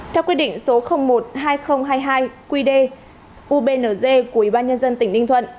theo quyết định số một hai nghìn hai mươi hai qd ubnz của ủy ban nhân dân tỉnh ninh thuận